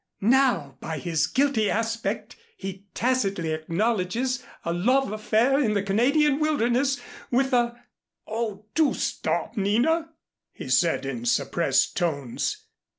Now by his guilty aspect he tacitly acknowledges a love affair in the Canadian wilderness with a " "Oh, do stop, Nina," he said in suppressed tones.